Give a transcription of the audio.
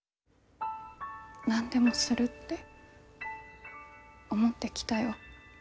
何でもするって思ってきたよ。